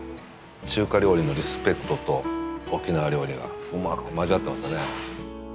中華料理のリスペクトと沖縄料理がうまーく交わってますよね。